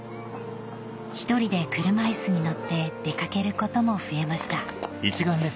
１人で車いすに乗って出掛けることも増えました